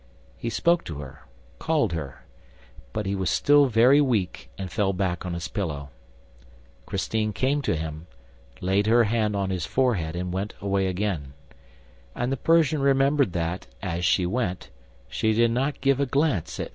He spoke to her, called her, but he was still very weak and fell back on his pillow. Christine came to him, laid her hand on his forehead and went away again. And the Persian remembered that, as she went, she did not give a glance at M.